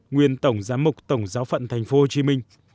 nguyên tổng giám mục tổng giáo phận tp hcm